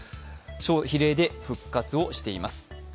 比例で復活をしています。